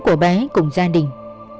của bé cùng gia đình